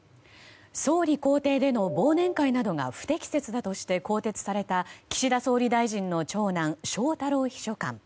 総理公邸での忘年会などが不適切だとして更迭された岸田総理大臣の長男翔太郎秘書官。